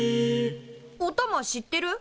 おたま知ってる？